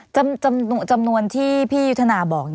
จำนวนที่พี่ยุทธนาบอก